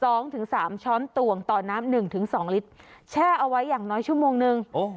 สองถึงสามช้อนตวงต่อน้ำหนึ่งถึงสองลิตรแช่เอาไว้อย่างน้อยชั่วโมงหนึ่งโอ้